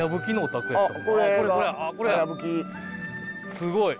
すごい！